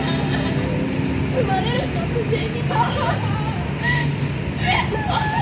生まれる直前に。